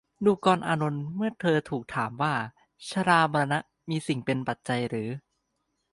ดูกรอานนท์ เมื่อเธอถูกถามว่า ชรามรณะ มีสิ่งเป็นปัจจัยหรือ